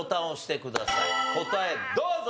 答えどうぞ！